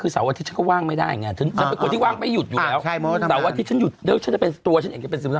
สาวะที่ฉันอยู่เดิ๊กฉันจะเป็นตัวฉันเองจะเป็นซึมเศร้า